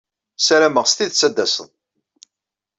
Ssarameɣ s tidet ad d-tased.